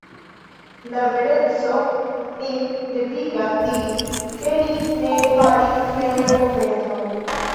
La vereco min devigas diri, ke li ne faris plenan konfeson.